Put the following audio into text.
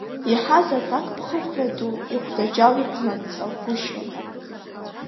Иаҳаз аҭакԥхықәра ду ихәдаџьал иқәнаҵагәышьон.